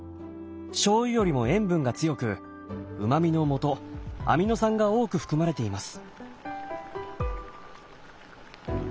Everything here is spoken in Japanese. しょうゆよりも塩分が強くうまみのもとアミノ酸が多く含まれています。